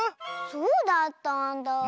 そうだったんだあ。